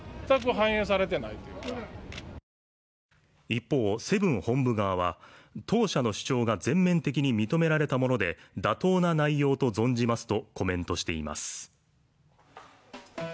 一方、セブン本部側は当社の主張が全面的に認められたもので、妥当な内容と存じますとコメントしています。